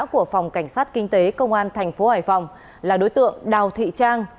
của phòng cảnh sát kinh tế công an tp hải phòng là đối tượng đào thị trang